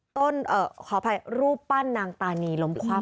ขออภัยรูปปั้นนางตานีล้มคว่ำ